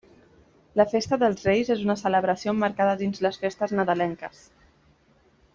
La Festa dels Reis és una celebració emmarcada dins les festes nadalenques.